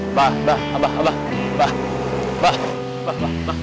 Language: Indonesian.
mbah mbah mbah mbah mbah mbah mbah mbah mbah